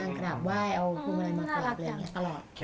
นั่งดั่งว่ายเอาทำอะไรมาครบ